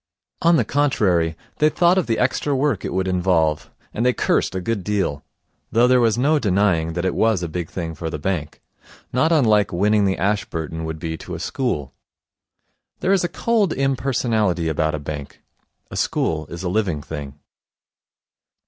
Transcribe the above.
On the contrary, they thought of the extra work it would involve; and they cursed a good deal, though there was no denying that it was a big thing for the bank not unlike winning the Ashburton would be to a school. There is a cold impersonality about a bank. A school is a living thing.